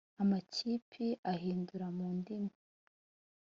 amakipi ahindura mu ndimi